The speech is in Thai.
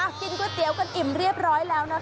กินก๋วยเตี๋ยวกันอิ่มเรียบร้อยแล้วนะคะ